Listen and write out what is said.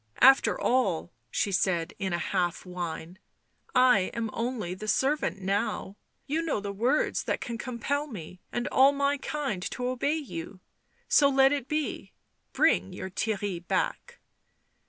" After all," she said in a half whine, " I am only the servant now. You know words that can compel me and all my kind to obey you. So let it be; bring your Theirry back."